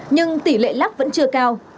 nhưng tỉ lệ lắp vẫn chưa cao